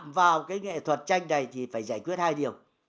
thế thì khi chạm vào cái nghệ thuật tranh này thì phải giải quyết hai điều